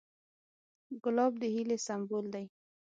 ګلاب د هیلې سمبول دی.